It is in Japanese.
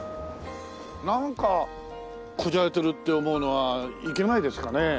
なんかこじゃれてるって思うのはいけないですかね？